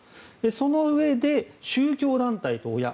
そのうえで宗教団体と親。